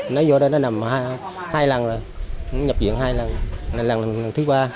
nó vô đây nó nằm hai lần rồi nó nhập viện hai lần lần thứ ba